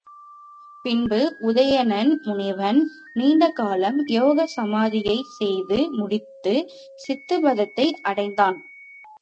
பின்பு உதயண முனிவன், நீண்டகாலம் யோக சமாதியைச் செய்து முடித்துச் சித்தபதத்தை அடைந்தான்.